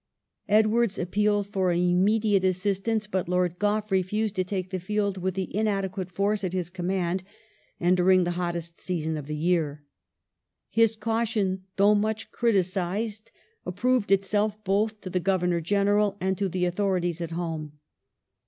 Edwardes appealed for immediate assistance, but Lord Gough refused to take the field with the inadequate force at his command, and during the hottest season of the year. His caution, though much criticized, approved itself both to the Governor General and to the authorities at home.